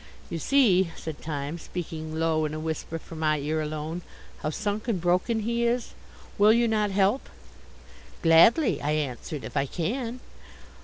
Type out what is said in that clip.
"You see," said Time, speaking low in a whisper for my ear alone, "how sunk and broken he is? Will you not help?" "Gladly," I answered, "if I can."